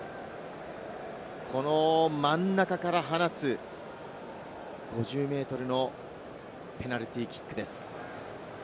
この真ん中から放つ５０ｍのペナルティーキックです。